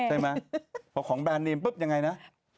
ใช่ไหมพอของแบรนดเนมปุ๊บยังไงนะ